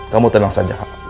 kamu tenang saja